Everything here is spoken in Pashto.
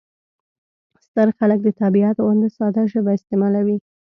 ستر خلک د طبیعت غوندې ساده ژبه استعمالوي.